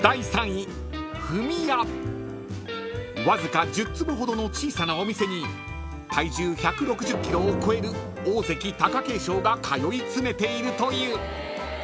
［わずか１０坪ほどの小さなお店に体重１６０ｋｇを超える大関貴景勝が通い詰めているという］